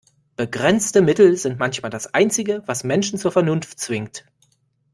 Begrenzte Mittel sind manchmal das Einzige, was Menschen zur Vernunft zwingt.